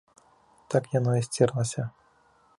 Так яно і сцерлася.